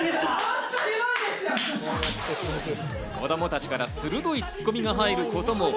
子供たちから鋭いツッコミが入ることも。